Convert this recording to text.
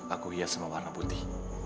aku hias sama warna putih